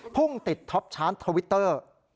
พุ่งติดท็อปชาร์จทวิตเตอร์